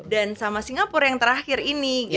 dan sama singapura yang terakhir ini